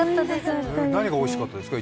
何がおいしかったですか？